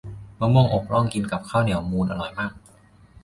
มะม่วงอกร่องกินกับข้าวเหนียวมูนอร่อยมาก